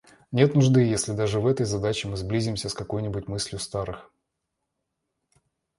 Нет нужды, если даже в этой задаче мы сблизимся с какой-нибудь мыслью старых.